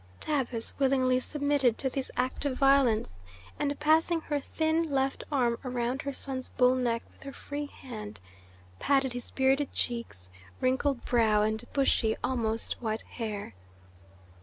Tabus willingly submitted to this act of violence, and passing her thin left arm around her son's bull neck with her free hand, patted his bearded cheeks, wrinkled brow, and bushy, almost white hair.